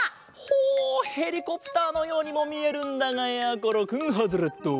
ほうヘリコプターのようにもみえるんだがやころくんハズレット。